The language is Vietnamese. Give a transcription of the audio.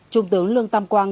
trung tướng lương tam quang